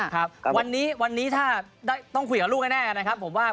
ครับวันนี้วันนี้ถ้าต้องคุยกับลูกแน่นะครับผมว่า